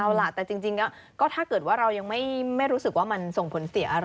เอาล่ะแต่จริงก็ถ้าเกิดว่าเรายังไม่รู้สึกว่ามันส่งผลเสียอะไร